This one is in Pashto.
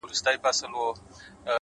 • اوس مي ذهن كي دا سوال د چا د ياد ـ